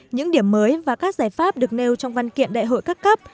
những điểm mới và các giải pháp được nêu trong văn kiện đại hội các cấp